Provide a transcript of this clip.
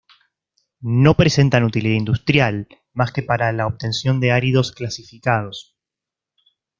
No presentan utilidad industrial, más que para la obtención de áridos clasificados.